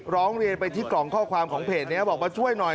ร้องเลนไปที่กรองข้อความของเพจไหนบอกว่าช่วยหน่อย